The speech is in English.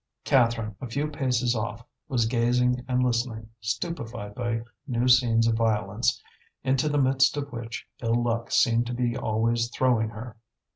Catherine, a few paces off, was gazing and listening, stupefied by new scenes of violence, into the midst of which ill luck seemed to be always throwing her.